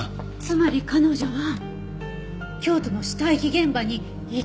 つまり彼女は京都の死体遺棄現場に行ってない。